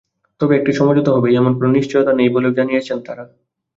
তবে একটি সমঝোতা হবেই—এমন কোনো নিশ্চয়তা নেই বলেও জানিয়ে দিয়েছেন তাঁরা।